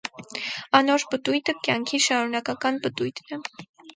Անոր պտոյտը կեանքի շարունակական պտոյտն է։